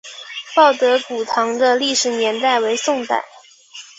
报德古堂的历史年代为宋代。